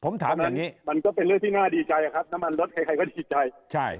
มันก็เป็นเรื่องที่น่าดีใจครับน้ำมันลดใครก็ดีใจ